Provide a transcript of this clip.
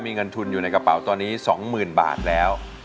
มีเงินทุนอยู่ในกระเป๋าตอนนี้๒๐๐๐บาทแล้ว